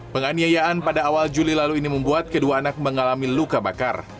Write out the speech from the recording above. penganiayaan pada awal juli lalu ini membuat kedua anak mengalami luka bakar